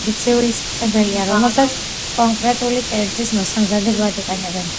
აჯიკა ტრადიციული საწებელია, რომელსაც კონკრენტული კერძის მოსამზადებლად იყენებენ.